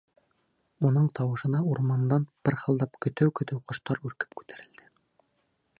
Уның тауышына урмандан пырхылдап көтөү-көтөү ҡоштар өркөп күтәрелде.